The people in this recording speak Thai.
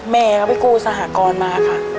แม่เขาไปกู้สหกรณ์มาค่ะ